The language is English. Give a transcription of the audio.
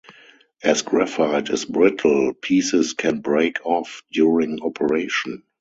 As graphite is brittle, pieces can break off during operation.